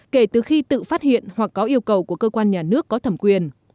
kể từ khi tự phát hiện hoặc có yêu cầu của cơ quan nhà nước có thẩm quyền